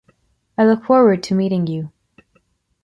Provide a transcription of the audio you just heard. I look forward to meeting you.